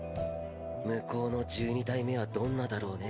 向こうの１２体目はどんなだろうね？